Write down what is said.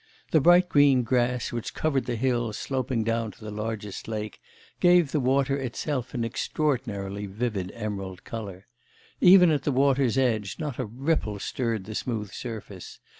The bright green grass, which covered the hill sloping down to the largest lake, gave the water itself an extraordinarily vivid emerald colour. Even at the water's edge not a ripple stirred the smooth surface.